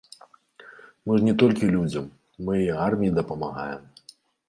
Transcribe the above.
Мы ж не толькі людзям, мы і арміі дапамагаем.